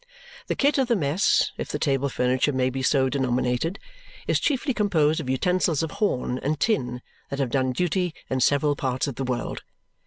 The kit of the mess, if the table furniture may be so denominated, is chiefly composed of utensils of horn and tin that have done duty in several parts of the world.